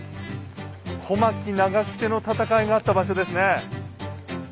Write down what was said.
小牧・長久手の戦いがあった場所ですね。